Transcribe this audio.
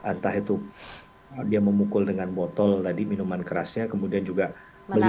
entah itu dia memukul dengan botol tadi minuman kerasnya kemudian juga beli